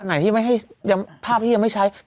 ไหนที่ไม่ให้ภาพที่ยังไม่ใช้